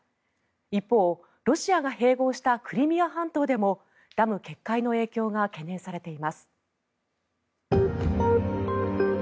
一方、ロシアが併合したクリミア半島でもダム決壊の影響が懸念されています。